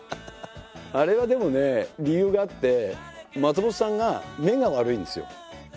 あれはでもね理由があって松本さんが目が悪いんですよ。